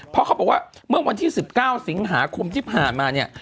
เพราะเขาบอกว่าเมื่อวันที่๑๙สิงหาคมที่ผ่านมาเนี่ย